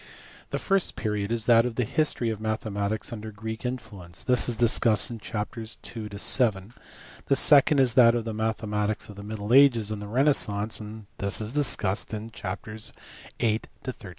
The first period is that of the history of mathematics under Greek influence, this is discussed in chapters n. to vn. : the second is that of the mathematics of the middle ages and the renaissance, this is discussed in chapters VIH. to xiu.